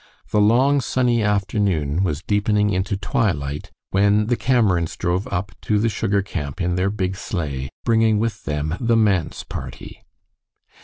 The long sunny afternoon was deepening into twilight when the Camerons drove up to the sugar camp in their big sleigh, bringing with them the manse party.